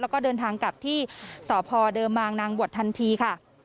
แล้วก็เดินทางกลับที่สพเดิมบางนางบวชทันทีค่ะ